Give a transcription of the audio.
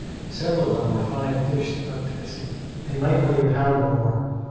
Several of them were fine fish, that looked as if they might weigh a pound or more.